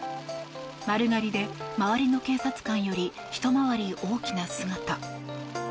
丸刈りで周りの警察官よりひと回り大きな姿。